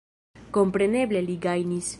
Kompreneble li gajnis.